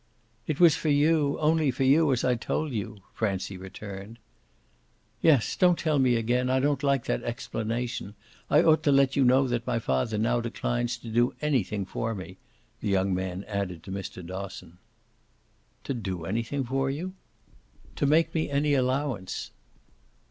"It was for you only for you, as I told you," Francie returned. "Yes, don't tell me again I don't like that explanation! I ought to let you know that my father now declines to do anything for me," the young man added to Mr. Dosson. "To do anything for you?" "To make me any allowance."